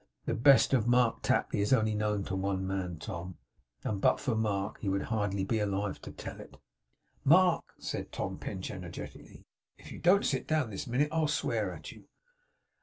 'The best of Mark Tapley is only known to one man, Tom; and but for Mark he would hardly be alive to tell it!' 'Mark!' said Tom Pinch energetically; 'if you don't sit down this minute, I'll swear at you!